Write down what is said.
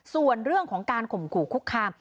ส่วนเรื่องของการข่มขู่คุกคาม